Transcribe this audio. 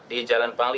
di jalan imam bonjol